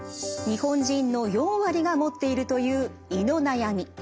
日本人の４割が持っているという胃の悩み。